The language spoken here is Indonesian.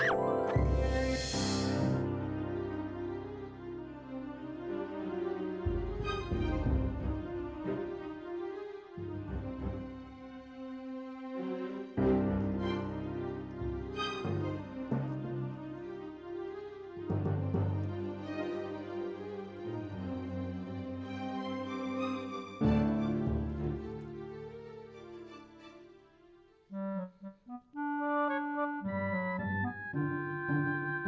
eh lupa aku mau ke rumah